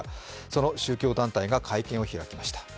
その宗教団体が会見を開きました。